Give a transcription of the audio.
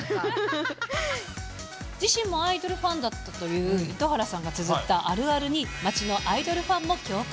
自身もアイドルファンだったという糸原さんがつづったあるあるに、街のアイドルファンも共感。